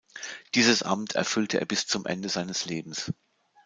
Dieses Amt erfüllte er bis zum Ende seines Lebens.